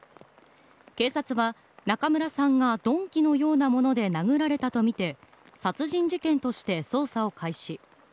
警察は、中村さんが鈍器のようなもので殴られたとみて殺人事件として捜査を開始。